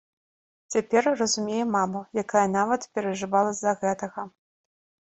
Цяпер разумею маму, якая нават перажывала з-за гэтага.